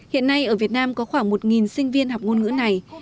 hiện nay ở việt nam có khoảng một sinh viên học ngôn ngữ này